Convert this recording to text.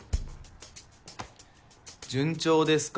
順調ですか？